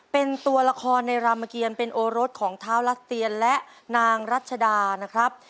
เป็นตัวละครในรามเกียรเป็นโอรสของท้าวรัสเตียนและนางรัชดานะครับ